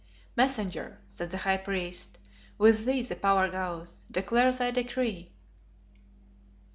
"Messenger," said the high priest, "with thee the power goes. Declare thy decree."